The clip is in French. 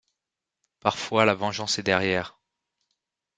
Parfois la vengeance est derrière.